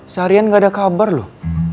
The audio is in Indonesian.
seharian gak ada kabar loh